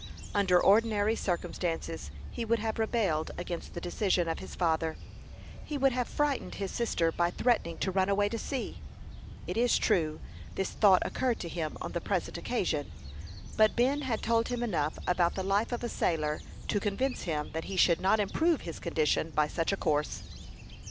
Under ordinary circumstances he would have rebelled against the decision of his father. He would have frightened his sister by threatening to run away to sea. It is true, this thought occurred to him on the present occasion; but Ben had told him enough about the life of a sailor to convince him that he should not improve his condition by such a course.